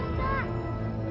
kakak bangun kak